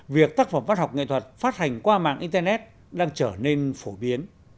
việc tác phẩm văn học nghệ thuật phát hành qua mạng internet đang trở nên phổ biến